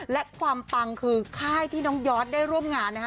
และความปังคือค่ายที่น้องยอดได้ร่วมงานนะฮะ